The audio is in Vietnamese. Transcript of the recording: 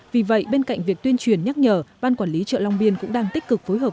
vì vậy bên cạnh việc tuyên truyền nhắc nhở ban quản lý chợ long biên cũng đang tích cực phối hợp